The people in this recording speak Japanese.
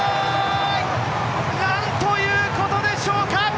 なんということでしょうか！